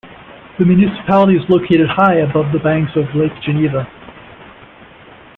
The municipality is located high above the banks of Lake Geneva.